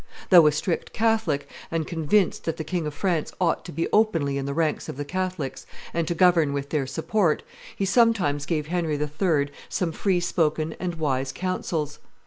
Though a strict Catholic, and convinced that the King of France ought to be openly in the ranks of the Catholics, and to govern with their support, he sometimes gave Henry III. some free spoken and wise counsels.